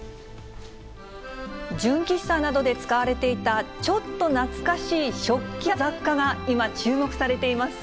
純喫茶などで使われていた、ちょっと懐かしい食器や雑貨が今、注目されています。